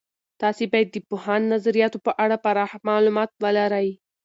تاسې باید د پوهاند نظریاتو په اړه پراخ معلومات ولرئ.